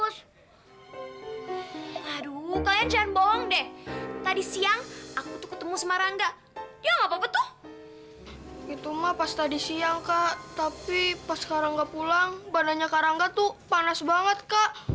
sampai jumpa di video selanjutnya